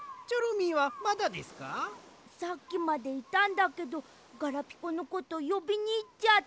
さっきまでいたんだけどガラピコのことよびにいっちゃって。